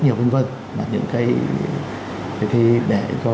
nhiều vân vân là những cái để cho